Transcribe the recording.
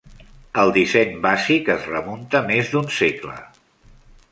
El disseny bàsic es remunta més d"un segle.